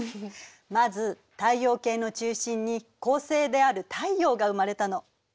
まず太陽系の中心に恒星である太陽が生まれたの。